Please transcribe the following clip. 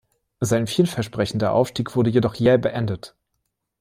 Sein vielversprechender Aufstieg wurde jedoch jäh beendet.